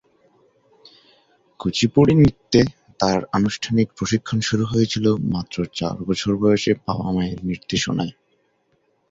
কুচিপুড়ি নৃত্যে তাঁর আনুষ্ঠানিক প্রশিক্ষণ শুরু হয়েছিল মাত্র চার বছর বয়সে বাবা-মা'য়ের নির্দেশনায়।